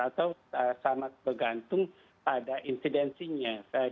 atau sangat bergantung pada insidensinya